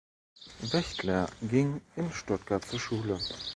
Wächtler ging in Stuttgart zur Schule.